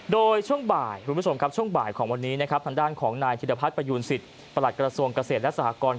โดยช่วงบ่ายทางด้านของนายชินภัสธ์ประหยุลสิตประหลักสรรค์ระสวงเกษตรและสร้างกร